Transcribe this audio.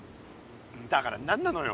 だから何なのよ。